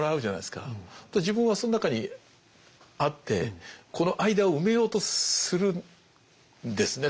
自分はその中にあってこの間を埋めようとするんですね